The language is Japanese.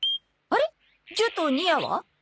ジュとニアは？